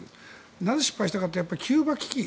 なぜ失敗したかってキューバ危機。